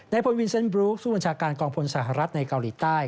พลวินเซ็นบรูฟผู้บัญชาการกองพลสหรัฐในเกาหลีใต้